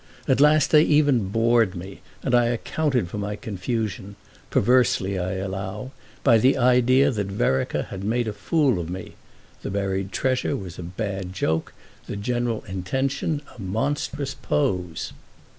At last they even bored me, and I accounted for my confusion—perversely, I allow—by the idea that Vereker had made a fool of me. The buried treasure was a bad joke, the general intention a monstrous pose.